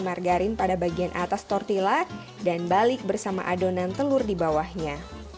margarin pada bagian atas tortilla dan balik bersama adonan telur di bawahnya